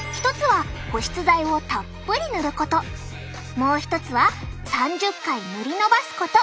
もう一つは３０回塗り伸ばすこと。